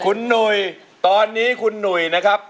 คุณหนุ่ยตอนนี้คุณหนุ่ยนะครับ